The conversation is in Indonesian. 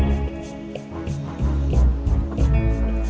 ya pak juna